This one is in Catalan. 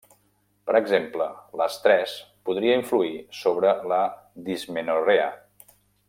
Per exemple, l'estrès podria influir sobre la dismenorrea.